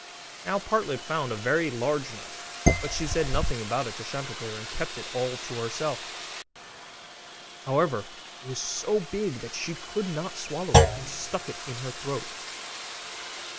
Now Partlet found a very large nut; but she said nothing about it to Chanticleer, and kept it all to herself: however, it was so big that she could not swallow it, and it stuck in her throat.